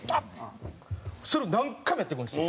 それを何回もやってくるんですよ。